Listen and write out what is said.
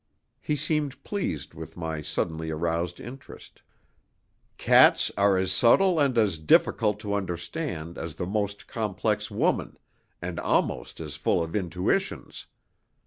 He seemed pleased with my suddenly aroused interest.. "Cats are as subtle and as difficult to understand as the most complex woman, and almost as full of intuitions.